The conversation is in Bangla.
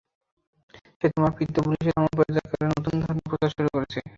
সে তোমার পিতৃপুরুষের ধর্ম পরিত্যাগ করে নতুন ধর্মের প্রচার শুরু করেছে।